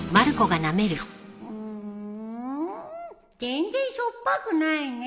全然しょっぱくないね。